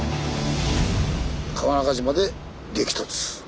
川中島で激突。